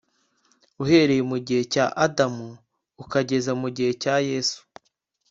Uhereye mu gihe cya Adamu ukageza mu gihe cya Yesu